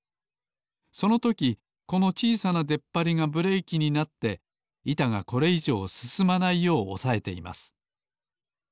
そのときこのちいさなでっぱりがブレーキになっていたがこれいじょうすすまないようおさえています。